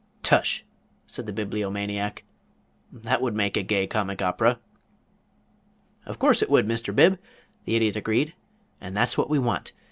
"Tush!" said the Bibliomaniac. "That would make a gay comic opera." "Of course it would, Mr. Bib," the Idiot agreed. "And that's what we want.